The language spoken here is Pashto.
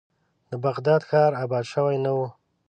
د بغداد ښار آباد شوی نه و.